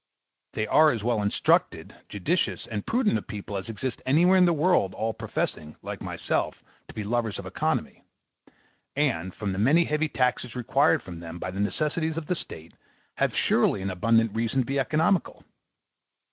They are as well instructed judicious, and prudent a people as exist anywhere in the world all professing, like myself, to be lovers of economy; and, from the many heavy taxes required from them by the necessitities of the state, have surely an abundant reason to be economical.